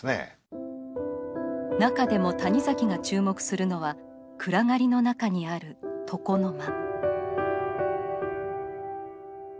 中でも谷崎が注目するのは暗がりの中にある床の間。